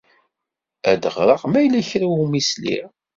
Ad d-ɣreɣ ma yella kra umi sliɣ.